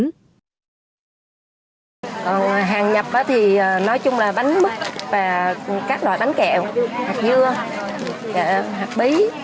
hàng nhập thì nói chung là bánh mứt và các loại bánh kẹo hạt dưa hạt bí